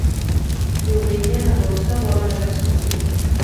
Diumenge na Dolça vol anar d'excursió.